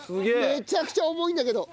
めちゃくちゃ重いんだけど！